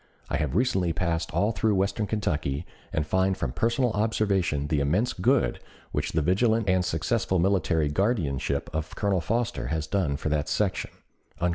I have recently passed all through western Kentucky and find from personal observation the immense good which the vigilant and successful military guardianship of Colonel Foster has done for that section."